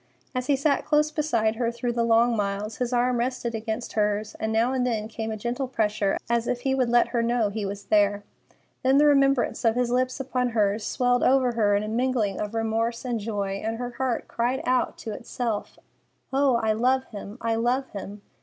As he sat close beside her through the long miles, his arm rested against hers, and now and again came a gentle pressure, as if he would let her know he was there. Then the remembrance of his lips upon hers swelled over her in a mingling of remorse and joy, and her heart cried out to itself, "Oh, I love him! I love him!